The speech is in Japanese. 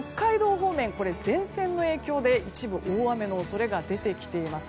方面は前線の影響で一部大雨の恐れが出てきています。